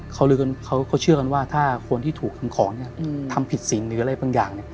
เขาเชื่อกันว่าถ้าคนที่ถูกทำของทำผิดสินหรืออะไรบางอย่าง